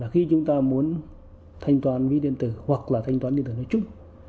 khi chúng ta muốn thanh toán ví điện tử hoặc là thanh toán điện tử nói chung